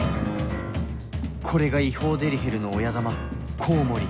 これが違法デリヘルの親玉コウモリ